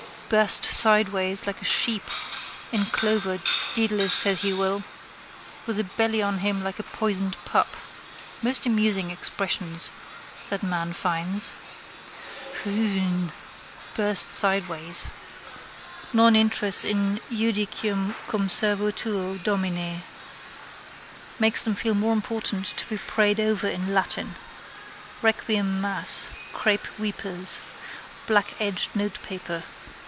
Burst sideways like a sheep in clover Dedalus says he will. With a belly on him like a poisoned pup. Most amusing expressions that man finds. Hhhn: burst sideways. —Non intres in judicium cum servo tuo, Domine. Makes them feel more important to be prayed over in Latin. Requiem mass. Crape weepers. Blackedged notepaper.